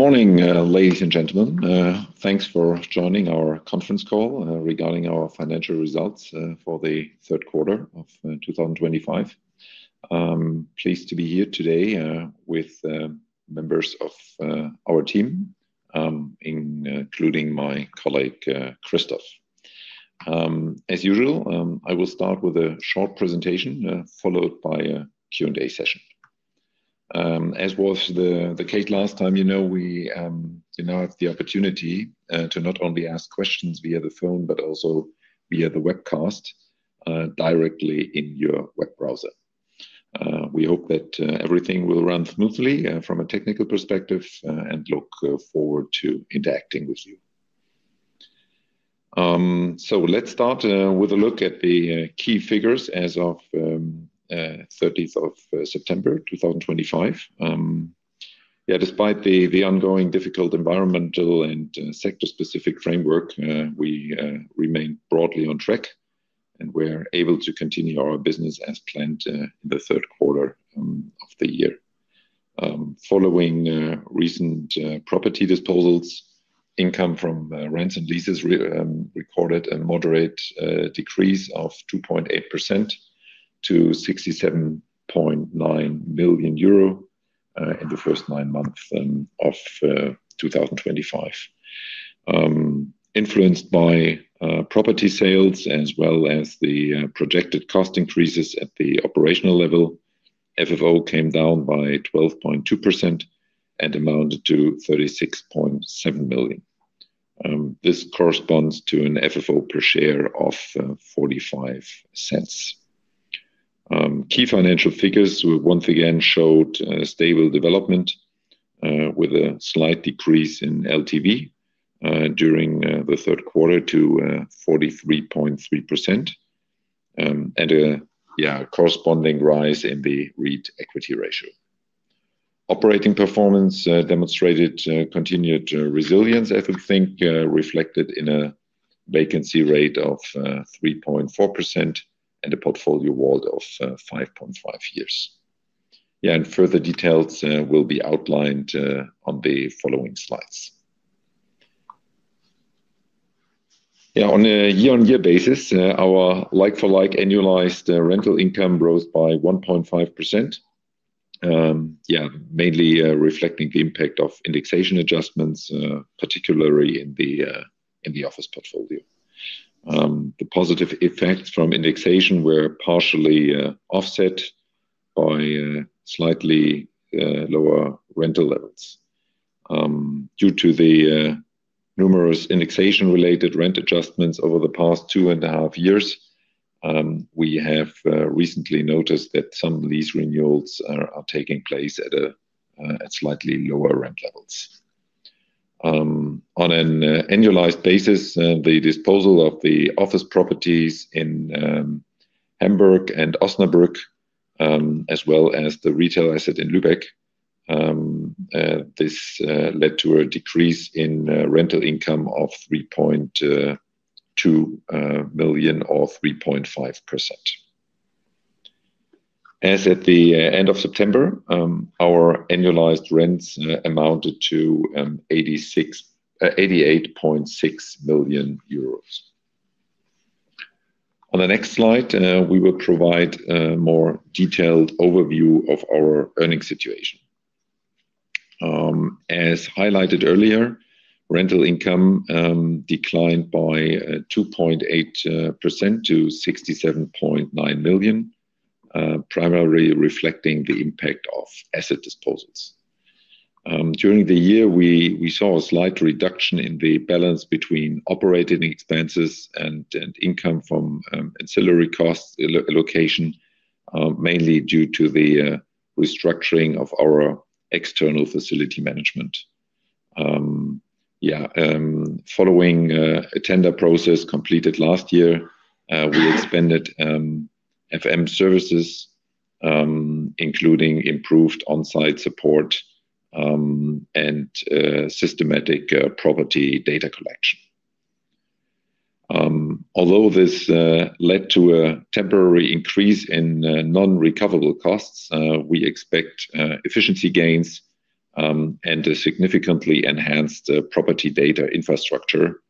Morning ladies and gentlemen. Thanks for joining our conference call regarding our financial results for the third quarter of 2025. Pleased to be here today with members of our team including my colleague Christoph. As usual, I will start with a short presentation followed by a Q and A session. As was the case last time, you know, we now have the opportunity to not only ask questions via the phone, but also via the webcast directly in your web browser. We hope that everything will run smoothly from a technical perspective and look forward to interacting with you. So let's start with a look at the key figures as of 30th of September 2025. Despite the ongoing difficult environmental and sector specific framework, we remain broadly on track and we're able to continue our business as planned in the third quarter of the year following recent property disposals, income from rents and leases recorded a moderate decrease of 2.8% to 67.9 million euro in the first nine months of 2025, influenced by property sales as well as the projected cost increases. At the operational level, FFO came down by 12.2% and amounted to 36.7 million. This corresponds to an FFO per share of 0.45. Key financial figures once again showed stable development with a slight decrease in LTV during the third quarter to 43.3% and a corresponding rise in the REIT equity ratio. Operating performance demonstrated continued resilience I would think reflected in a vacancy rate of 3.4% and a portfolio WALT of 5.5 years. Further details will be outlined on the following slides. On a year-on-year basis, our like-for-like annualized rental income rose by 1.5%, mainly reflecting the impact of indexation adjustments, particularly in the office portfolio. The positive effects from indexation were partially offset by slightly lower rental levels due to the numerous indexation-related rent adjustments over the past two and a half years. We have recently noticed that some lease renewals are taking place at slightly lower rent levels. On an annualized basis, the disposal of the office properties in Hamburg and Osnabrück as well as the retail asset in Lübeck led to a decrease in rental income of 3.2 million or 3.5%. As at the end of September, our annualized rents amounted to 88.6 million euros. On the next slide we will provide a more detailed overview of our earnings situation. As highlighted earlier, rental income declined by 2.8% to 67.9 million, primarily reflecting the impact of asset disposals. During the year we saw a slight reduction in the balance between operating expenses and income from ancillary cost allocation, mainly due to the restructuring of our external facility management. Following a tender process completed last year, we expanded FM services including improved on site support and systematic property data collection. Although this led to a temporary increase in non recoverable costs. We expect efficiency gains and a significantly enhanced property data infrastructure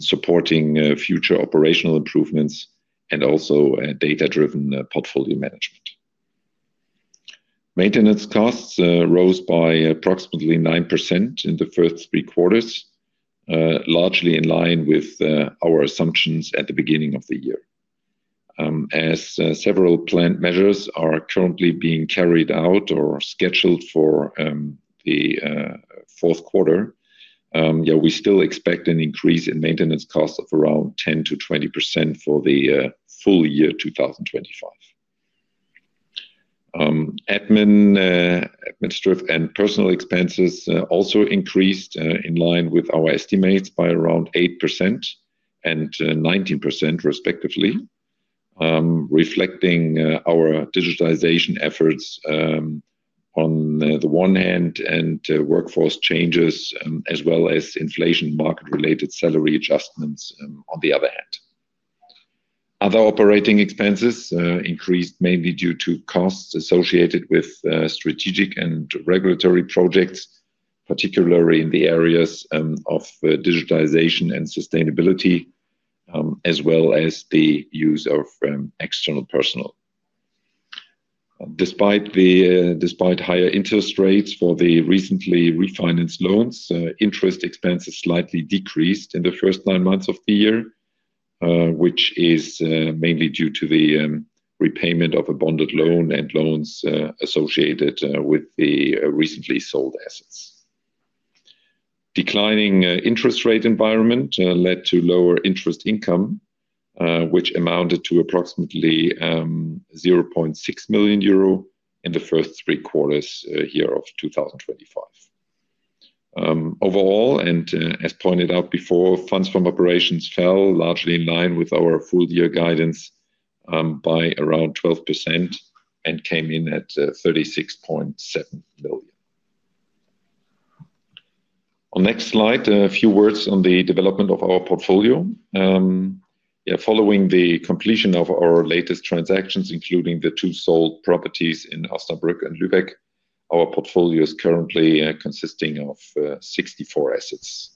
supporting future operational improvements and also data driven portfolio management. Maintenance costs rose by approximately 9% in the first three quarters largely in line with our assumptions at the beginning of the year. As several planned measures are currently being carried out or scheduled for the fourth quarter, we still expect an increase in maintenance costs of around 10%-20% for the full year 2025. Administrative and personal expenses also increased in line with our estimates by around 8% and 19% respectively, reflecting our digitization efforts on the one hand and workforce changes as well as inflation market related salary adjustments on the other hand. Other operating expenses increased mainly due to costs associated with strategic and regulatory projects, particularly in the areas of digitization and sustainability as well as the use of external personnel. Despite higher interest rates for the recently refinanced loans, interest expenses slightly decreased in the first nine months of the year which is mainly due to the repayment of a bonded loan and loans associated with the recently sold assets. Declining interest rate environment led to lower interest income which amounted to approximately 0.6 million euro in the first three quarters here of 2025. Overall and as pointed out before, funds from operations fell largely in line with our full year guidance by around 12% and came in at 36.7 million. On next slide, a few words on the development of our portfolio following the completion of our latest transactions, including the two sold properties in Osnabrück and Lübeck, our portfolio is currently consisting of 64 assets.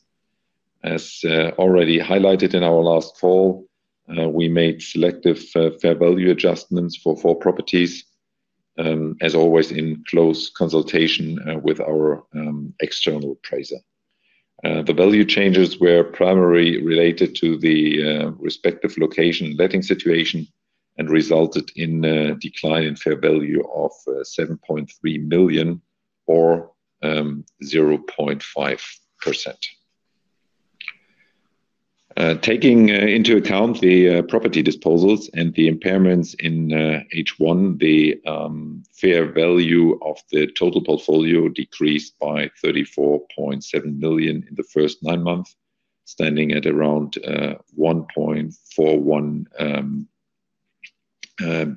As already highlighted in our last call, we made selective fair value adjustments for four properties as always in close consultation with our external appraiser. The value changes were primarily related to the respective location letting situation and resulted in decline in fair value of 7.3 million or 0.5%. Taking into account the property disposals and the impairments in H1, the fair value of the total portfolio decreased by 34.7 million in the first nine months standing at around 1.41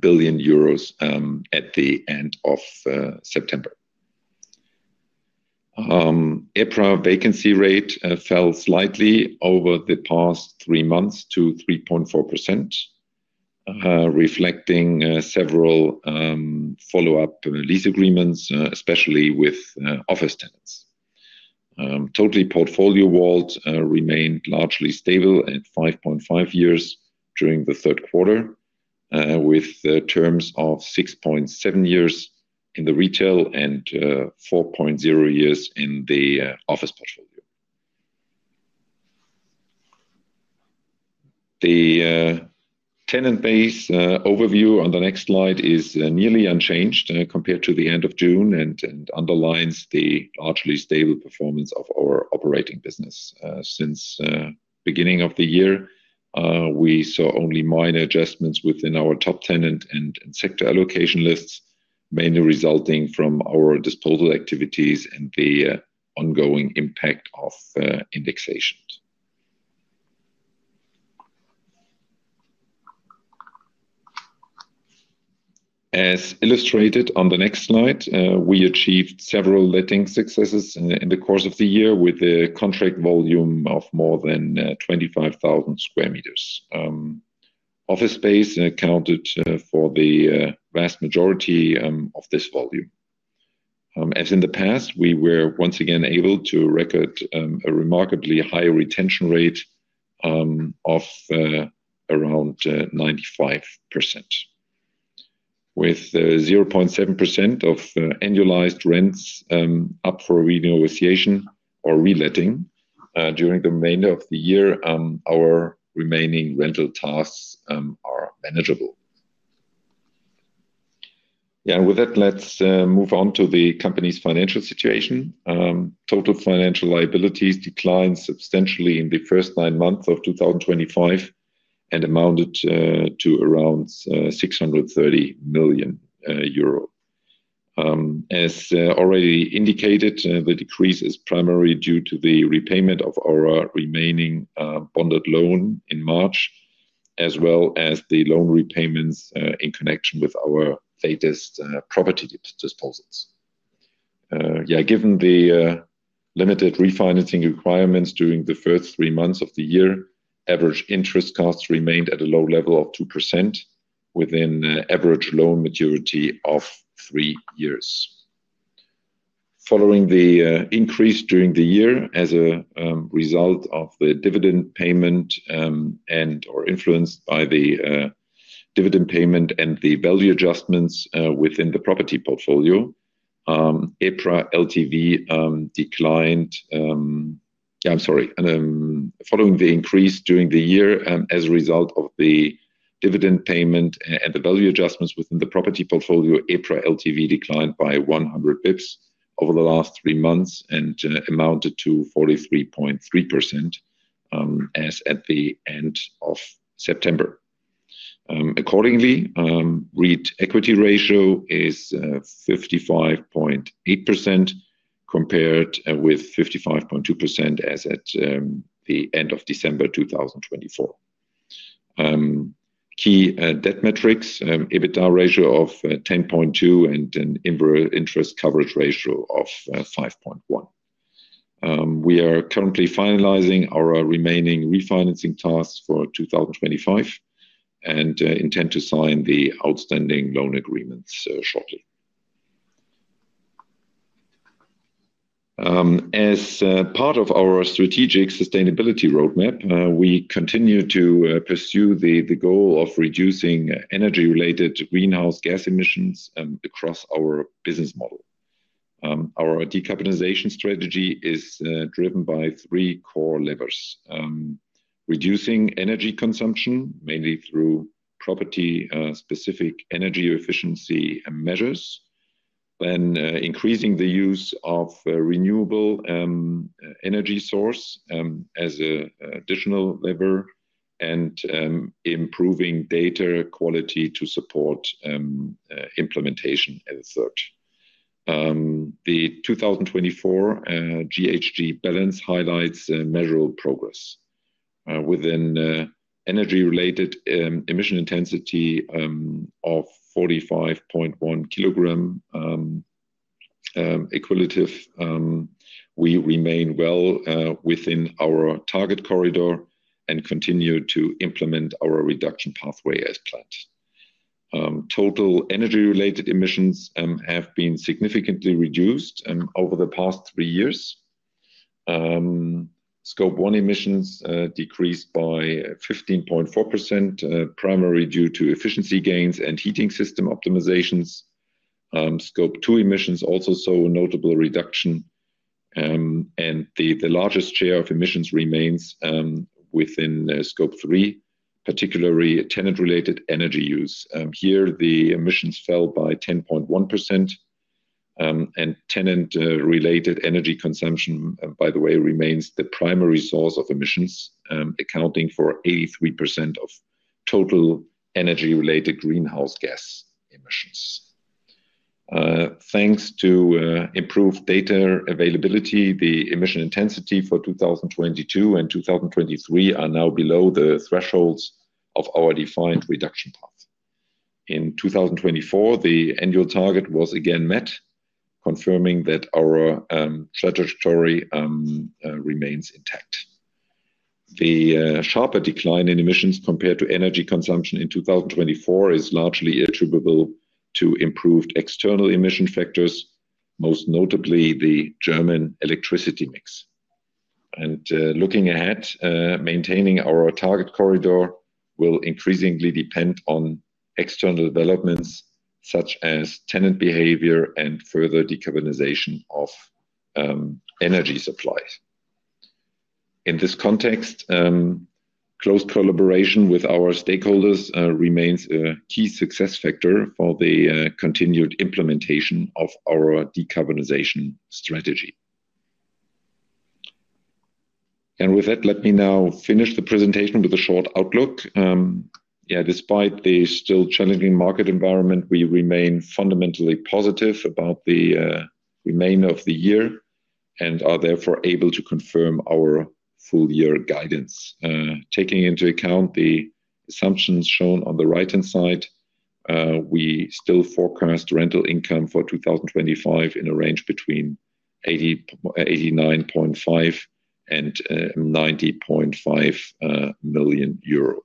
billion euros at the end of September. EPRA vacancy rate fell slightly over the past three months to 3.4% reflecting several follow up lease agreements, especially with office tenants. Total portfolio WALT remained largely stable at 5.5 years during the third quarter with terms of 6.7 years in the retail and 4.0 years in the office. The tenant base overview on the next slide is nearly unchanged compared to the end of June and underlines the largely stable performance of our operating business. Since beginning of the year, we saw only minor adjustments within our top tenant and sector allocation lists, mainly resulting from our disposal activities and the ongoing impact of indexation. As illustrated on the next slide, we achieved several letting successes in the course of the year. With a contract volume of more than 25,000 square meters, office space accounted for the vast majority of this volume. As in the past, we were once again able to record a remarkably higher retention rate of around 95%. With 0.7% of annualized rents up for renegotiation or reletting during the remainder of the year, our remaining rental tasks are manageable. With that, let's move on to the company's financial situation. Total financial liabilities declined substantially in the first nine months of 2025 and amounted to around 630 million euro. As already indicated, the decrease is primarily due to the repayment of our remaining bonded loan in March as well as the loan repayments in connection with our latest property disposals. Yeah, given the limited refinancing requirements during the first three months of the year, average interest costs remained at a low level of 2% within average loan maturity of three years. Following the increase during the year as a result of the dividend payment and or influenced by the dividend payment and the value adjustments within the property portfolio, EPRA LTV declined. I'm sorry. Following the increase during the year as a result of the dividend payment and the value adjustments within the property portfolio, EPRA LTV declined by 100 basis points over the last three months and amounted to 43.3% as at the end of September. Accordingly, REIT equity ratio is 55.8% compared with 55.2% as at the end of December 2024. Key debt metrics EBITDA ratio of 10.2 and an interest coverage ratio of 5.1. We are currently finalizing our remaining refinancing tasks for 2025 and intend to sign the outstanding loan agreements shortly. As part of our strategic sustainability roadmap we continue to pursue the goal of reducing energy related to greenhouse gas emissions across our business model. Our decarbonization strategy is driven by three core levers: reducing energy consumption mainly through property specific energy efficiency measures, then increasing the use of renewable energy source as an additional lever and improving data quality to support implementation as a threat. The 2024 GHG balance highlights measurable progress with an energy related emission intensity of 45.1 kg equilibrium. We remain well within our target corridor and continue to implement our reduction pathway as planned. Total energy related emissions have been significantly reduced over the past three years. Scope 1 emissions decreased by 15.4% primarily due to efficiency gains and heating system optimizations. Scope 2 emissions also saw a notable reduction and the largest share of emissions remains within Scope 3, particularly tenant related energy use. Here the emissions fell by 10.1% and tenant related energy consumption, by the way, remains the primary source of emissions, accounting for 83% of total energy related greenhouse gas emissions. Thanks to improved data availability, the emission intensity for 2022 and 2023 are now below the threshold our defined reduction path. In 2024, the annual target was again met, confirming that our trajectory remains intact. The sharper decline in emissions compared to energy consumption in 2024 is largely attributable to improved external emission factors, most notably the German electricity mix. And looking ahead, maintaining our target corridor will increasingly depend on external developments such as tenant behavior and further decarbonization of energy supplies. In this context, close collaboration with our stakeholders remains a key success factor for the continued implementation of our decarbonization strategy. And with that, let me now finish the presentation with a short outlook. Despite the still challenging market environment, we remain fundamentally positive about the remainder of the year and are therefore able to confirm our full year guidance. Taking into account the assumptions shown on the right hand side, we still forecast rental income for 2025 in a range between 89.5 million and 90.5 million euro.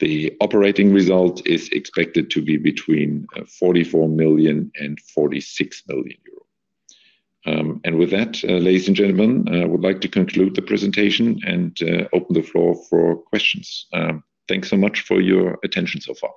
The operating result is expected to be between 44 million and 46 million euro. And with that, ladies and gentlemen, I would like to conclude the presentation and open the floor for questions. Thanks so much for your attention so far.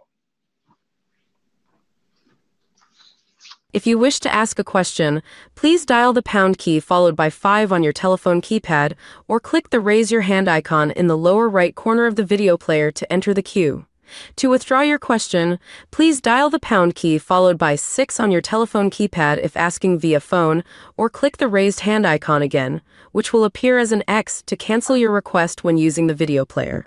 If you wish to ask a question, please dial the pound key followed by five on your telephone keypad or click the raise your hand icon in the lower right corner of the video player to enter the queue. To withdraw your question, please dial the pound key followed by six on your telephone keypad if asking via phone or click the raised hand icon again, which will appear as an X to cancel your request when using the video player.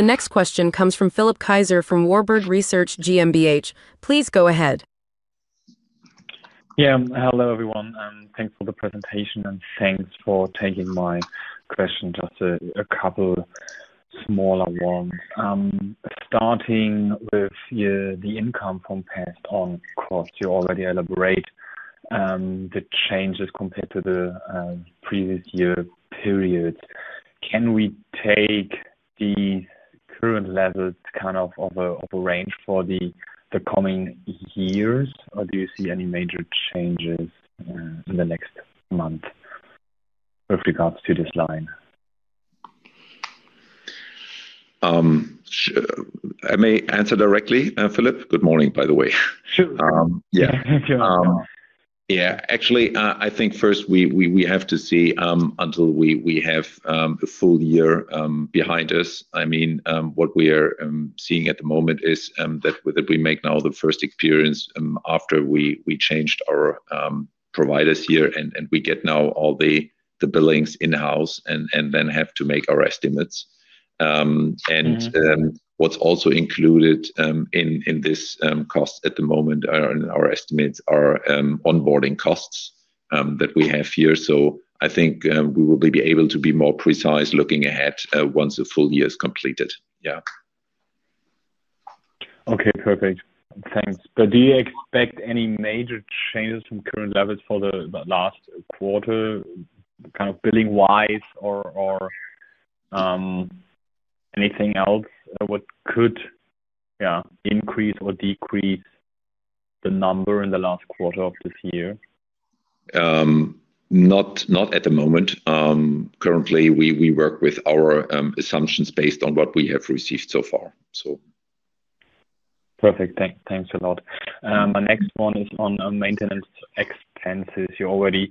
The next question comes from Philipp Kaiser from Warburg Research GmbH. Please go ahead. Yeah, hello everyone. Thanks for the presentation and thanks for taking my question. Just a couple smaller ones starting with the income from pass-on cost. You already elaborate the changes compared to the previous year period. Can we take the current level kind of a range for the coming years or do you see any major changes in the next month with regards to this line? I may answer directly. Philip, good morning by the way. Yeah, yeah, actually I think first we have to see until we have a full year behind us. I mean what we are seeing at the moment is that we make now the first experience after we changed our providers here and we get now all the billings in house and then have to make our estimates and what's also included in this cost. At the moment our estimates are onboarding costs that we have here. So I think we will be able to be more precise looking ahead once the full year is completed. Yeah. Okay, perfect, thanks. But do you expect any major changes from current levels for the last quarter kind of billing wise or anything else? What could increase or decrease the number in the last quarter of this year? Not at the moment. Currently we work with our assumptions based on what we have received so far. So. Perfect, thanks a lot. My next one is on maintenance expenses. You already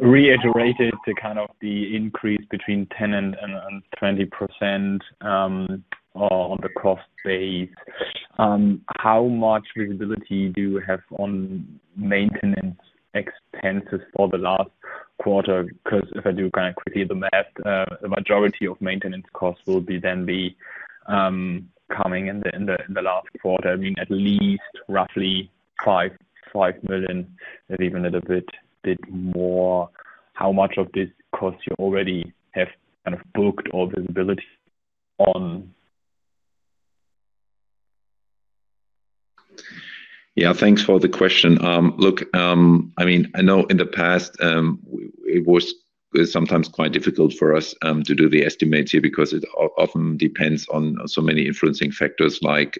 reiterated the kind of the increase between 10% and 20% on the cost base. How much visibility do you have on maintenance expenses for the last quarter? Because if I do kind of quickly the math, the majority of maintenance costs will be then be coming in the last quarter. I mean at least roughly 5 million, maybe even a little bit more. How much of this cost you already have kind of booked or visibility on? Yeah, thanks for the question. Look, I mean I know in the past it was sometimes quite difficult for us to do the estimates here because it often depends on so many influencing factors like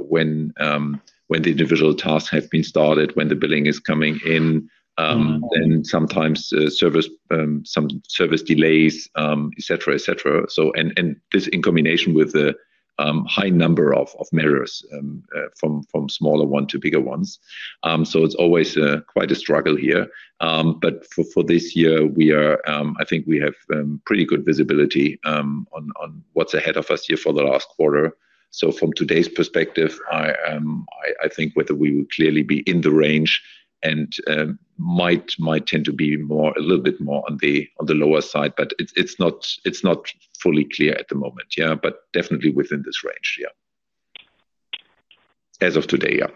when the individual tasks have been started, when the billing is coming in and sometimes some service delays, etc. Etc. So, and this in combination with the high number of measures from smaller one to bigger ones. So it's always quite a struggle here. But for this year we are, I think we have pretty good visibility on what's ahead of us here for the last quarter. So from today's perspective, I, I, I think whether we will clearly be in the range and might might tend to be more, a little bit more on the, on the lower side but it's, it's not, it's not fully clear at the moment. Yeah. But definitely within this range. Yeah, as of today. Yeah.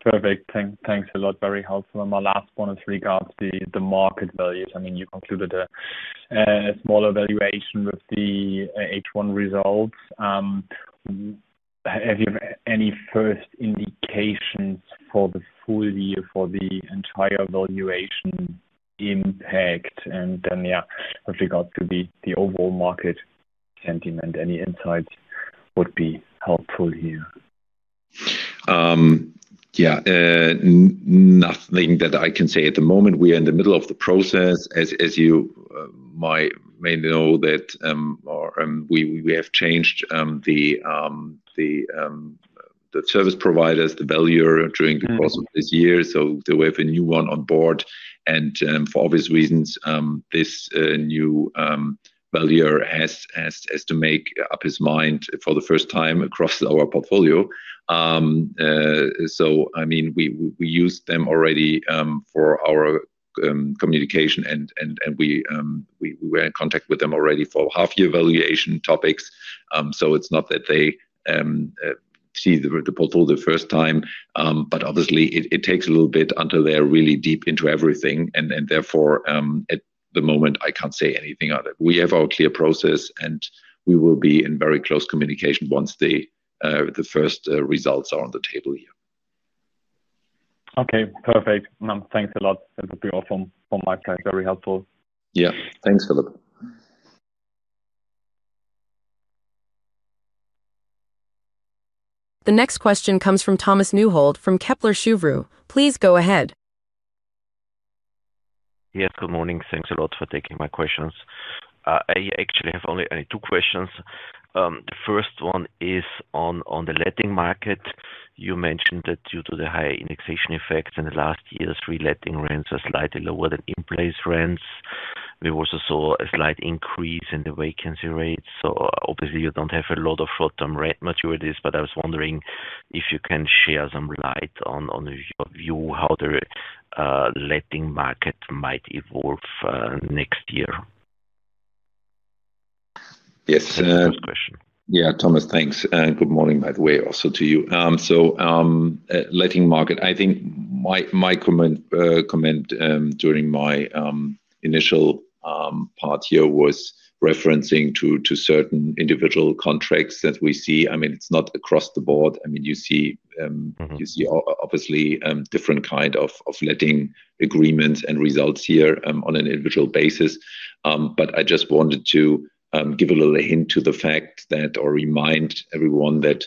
Perfect. Thank, thanks a lot, very helpful. And my last one is regards the, the market values. I mean you concluded a smaller valuation with the H1 results. Have you any first indications for the full year for the entire valuation impact and then. Yeah, with regards to the overall market sentiment. Any insights would be helpful here? Yeah, nothing that I can say at the moment we are in the middle of the process. As you may know that we have changed the service providers, the valuer during the course of this year. So we have a new one on board. And for obvious reasons, this new valuer has to make up his mind for the first time across our portfolio. So I mean we used them already for our communication and we were in contact with them already for half year valuation topics. So it's not that they see the portfolio the first time, but obviously it takes a little bit until they're really deep into everything. And therefore at the moment I can't say anything other. We have our clear process and we will be in very close communication once the first results are on the table here. Okay, perfect. Thanks a lot. It would be awesome. From my side, very helpful. Yeah, thanks Philip. The next question comes from Thomas Neuhold from Kepler Cheuvreux. Please go ahead. Yes, good morning. Thanks a lot for taking my questions. I actually have only two questions. The first one is on the letting market. You mentioned that due to the high indexation effects in the last year's re letting rents are slightly lower than in place rents. We also saw a slight increase in the vacancy rate. So obviously you don't have a lot of short term rent maturities. But I was wondering if you can share some light on your view how the letting market might evolve next year. Yes. Yeah, Thomas, thanks. And good morning by the way, also to you. So letting market, I think my comment during my initial part here was referencing to certain individual contracts that we see. I mean it's not across the board. I mean you see obviously different kind of letting agreements and results here on an individual basis. But I just wanted to give a little hint to the fact that or remind everyone that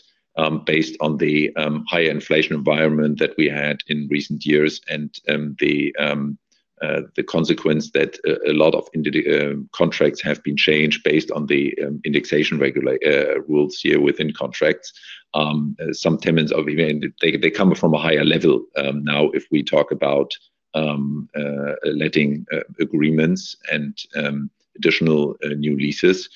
based on the higher inflation environment that we had in recent years and the consequence that a lot of contracts have been changed based on the indexation rules here within contracts, some tenants, they come from a higher level. Now if we talk about letting agreements and additional new leases,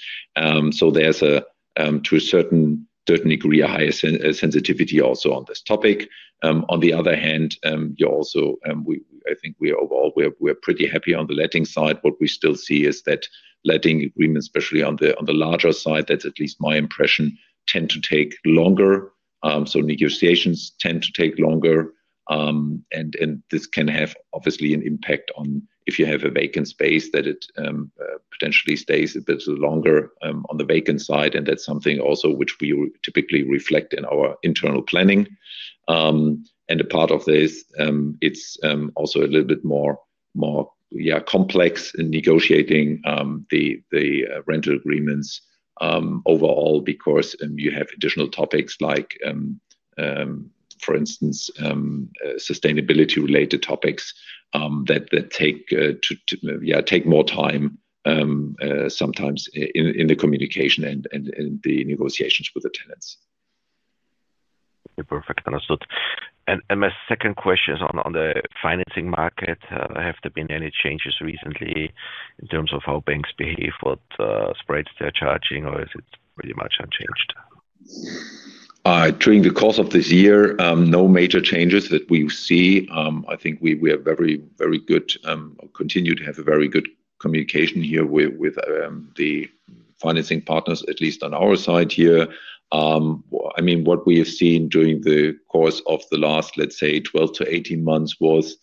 so there's a, to a certain degree a higher sensitivity. Also on this topic, on the other hand, you also, I think we overall we are pretty happy on the letting side. What we still see is that letting agreements, especially on the, on the larger side, that's at least my impression, tend to take longer. So negotiations tend to take longer. And this can have obviously an impact on if you have a vacant space that it potentially stays a bit longer on the vacant side. And that's something also which we typically reflect in our internal planning. And a part of this it's also a little bit more complex in negotiating the rental agreements overall because you have additional topics like for instance, sustainability related topics that take more time sometimes in the communication and the negotiations with the tenants. Perfect, understood. And my second question is on the financing market. Have there been any changes recently in terms of how banks behave, what spreads they're charging, or is it pretty much unchanged? During the course of this year no major changes that we see. I think we have very, very good, continue to have a very good communication here with the financing partners, at least on our side here. I mean, what we have seen during the course of the last, let's say 12 to 18 months was,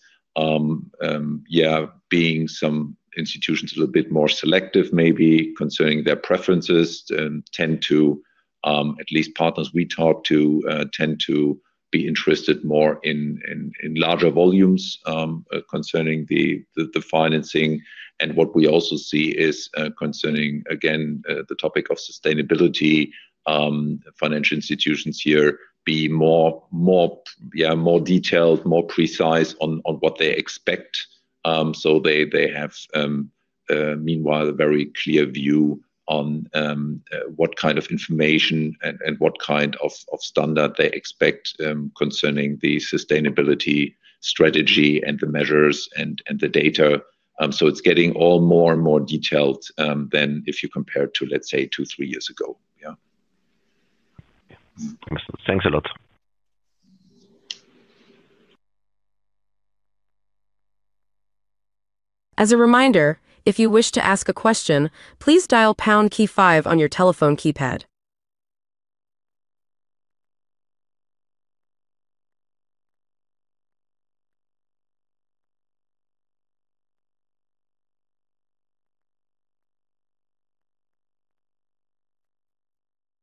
yeah, being some institutions a little bit more selective maybe concerning their preferences, tend to at least partners we talk to tend to be interested more in larger volumes concerning the financing. And what we also see is concerning, again the topic of sustainability. Financial institutions here be more detailed, more precise on what they expect. So they have meanwhile a very clear view on what kind of information and what kind of standard they expect concerning the sustainability strategy and the measures and the data. So it's getting all more and more detailed than if you compare it to, let's say two, three years ago. Yeah. Thanks a lot. As a reminder, if you wish to ask a question, Please dial pound key five on your telephone keypad.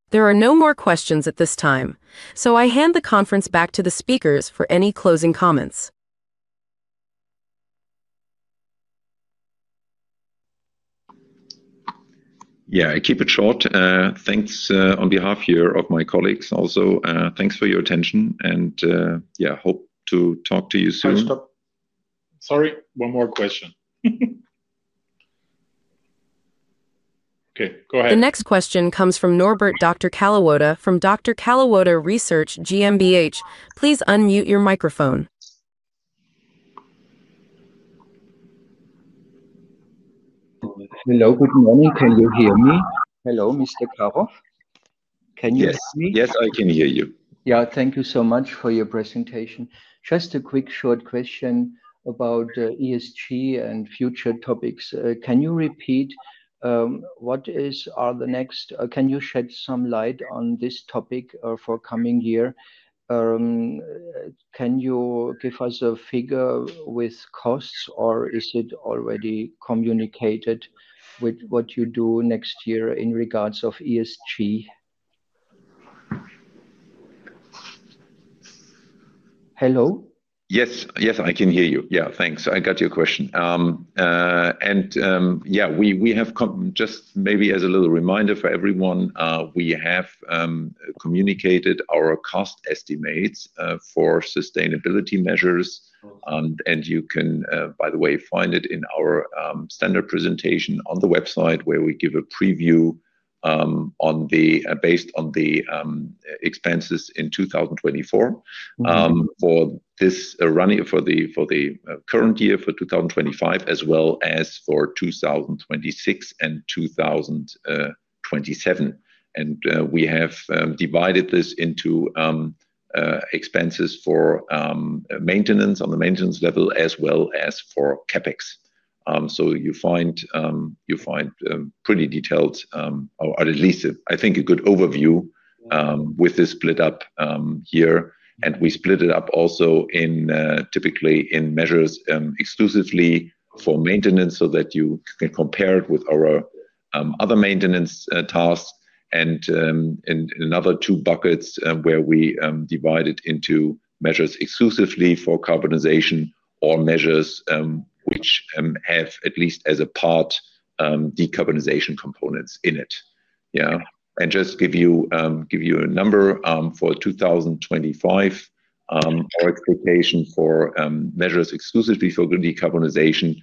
There are no more questions at this time. So I hand the conference back to the speakers for any closing comments. Yeah, I keep it short, thanks on behalf here of my colleagues. Also thanks for your attention and yeah, hope to talk to you soon. Sorry, one more question. The next question comes from Norbert, Dr. Kalliwoda from Dr. Kalliwoda Research GmbH. Please unmute your microphone. Hello, Good morning, can you hear me? Hello, Mr. Karoff, can you hear me? Yes, I can hear you. Yeah, thank you so much for your presentation. Just a quick short question about ESG and future topics. Can you repeat what is are the next. Can you shed some light on this topic or for coming year, can you give us a figure with costs or is it already communicated with what you do next year in regards of ESG? Hello? Yes, Yes, I can hear you. Yeah, thanks, I got your question and yeah, we have come just maybe as a little reminder for everyone, we have communicated our cost estimates for for sustainability measures and you can by the way find it in our standard presentation on the website where we give a preview based on the expenses in 2024 for this running for the current year for 2025 as well as for 2026 and 2027 and we have divided this into expenses for maintenance on the maintenance level as well as for CapEx. So you find pretty detailed or at least I think a good overview with this split up here. And we split it up also in typically in measures exclusively for maintenance so that you can compare it with our other maintenance tasks and another two buckets where we divide it into measures exclusively for carbonization or measures which have at least as a part decarbonization components in it. And just give you a number for 2025, our expectation for measures exclusively for decarbonization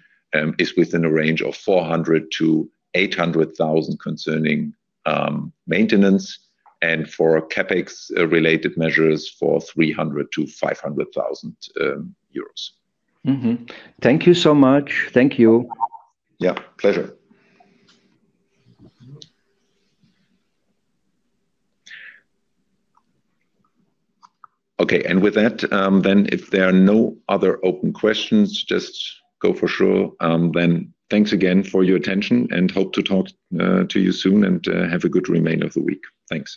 is within a range of 400,000-800,000 concerning maintenance and for CapEx related measures for 300,000-500,000 euros. Thank you so much. Thank you. Yeah, pleasure. Okay, and with that then if there are no other open questions, just go for sure then thanks again for your attention and hope to talk to you soon and have a good remainder of the week. Thanks.